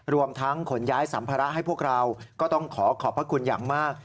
รวมทั้งขนย้ายสัมภาระให้พวกเราก็ต้องขอขอบพระคุณอย่างมาก